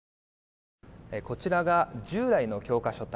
こちらが従来の教科書体。